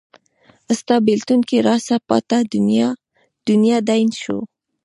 ستا بیلتون کې راڅه پاته دنیا دین شو